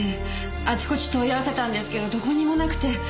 あちこち問い合わせたんですけどどこにもなくて。